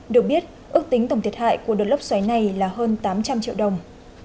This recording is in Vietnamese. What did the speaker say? được biết ước tính tổng thiệt hại của đợt lốc xoáy này là hơn tám trăm linh triệu đồng